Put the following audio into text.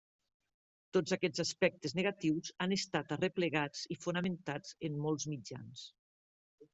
Tots aquests aspectes negatius han estat arreplegats i fomentats en molts mitjans.